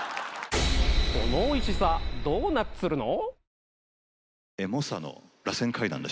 「このおいしさドーナッツるの？」